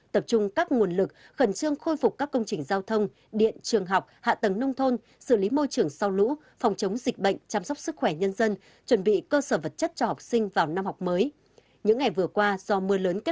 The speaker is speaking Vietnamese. tập trung các nguồn lực khẩn trương khôi phục các công trình giao thông điện trường học hạ tầng nông thôn xử lý môi trường sau lũ phòng chống dịch bệnh chăm sóc sức khỏe nhân dân chuẩn bị cơ sở vật chất cho học sinh vào năm học mới